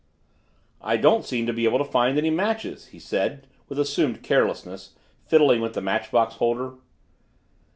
"I don't seem to be able to find any matches " he said with assumed carelessness, fiddling with the matchbox holder.